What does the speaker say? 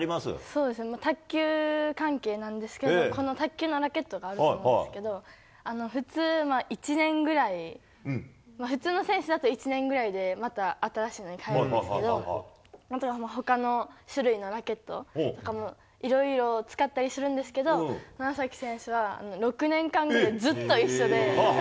そうですね、卓球関係なんですけど、この卓球のラケットがあると思うんですけど、普通、１年ぐらい、普通の選手だと１年ぐらいでまた新しいのにかえるんですけど、本当にほかの種類のラケットとかもいろいろ使ったりするんですけど、長崎選手は６年間ぐらいずっと一緒で。